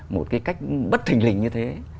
một cái cách bất thình lình như thế